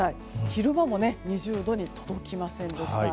昼間も２０度に届きませんでした。